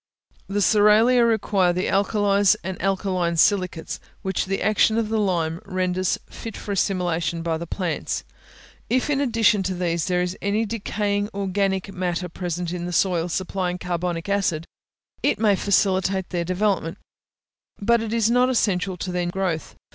The cerealia require the alkalies and alkaline silicates, which the action of the lime renders fit for assimilation by the plants. If, in addition to these, there is any decaying organic matter present in the soil supplying carbonic acid, it may facilitate their development; but it is not essential to their growth.